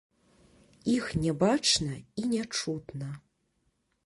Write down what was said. Іх не бачна і не чутна.